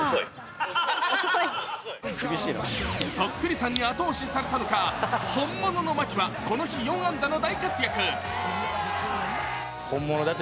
そっくりさんに後押しされたのか、本物の牧はこの日、４安打の大活躍。